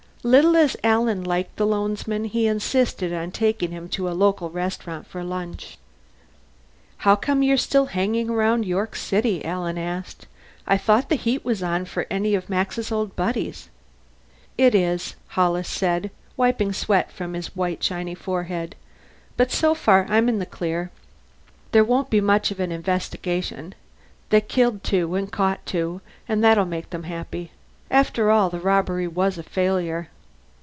Little as Alan liked the loansman, he insisted on taking him to a local restaurant for lunch. "How come you're still hanging around York City?" Alan asked. "I thought the heat was on for any of Max's old buddies." "It is," Hollis said, wiping sweat from his white shiny forehead. "But so far I'm in the clear. There won't be much of an investigation; they killed two and caught two, and that'll keep them happy. After all, the robbery was a failure."